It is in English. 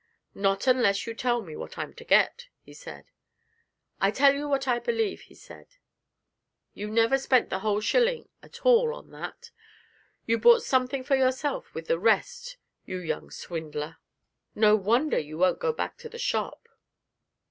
'Not unless you tell me what I'm to get,' I said. 'I tell you what I believe,' he said; 'you never spent the whole shilling at all on that; you bought something for yourself with the rest, you young swindler! No wonder you won't go back to the shop.'